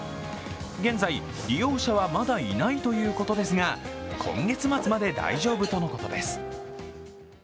現在、利用者はまだいないということですが今月末まで大丈夫とのことです。